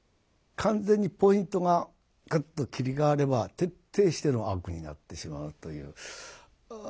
完全にポイントがグッと切り替われば徹底しての悪になってしまうという。